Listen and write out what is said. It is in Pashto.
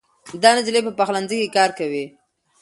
دا نجلۍ په پخلنځي کې کار کوي.